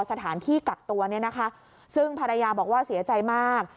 สถานที่กักตัวเนี่ยนะคะซึ่งภรรยาบอกว่าเสียใจมาก